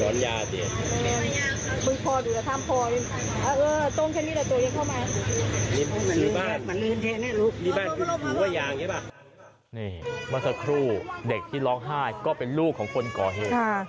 เมื่อสักครู่เด็กที่ร้องไห้ก็เป็นลูกของคนก่อเหตุ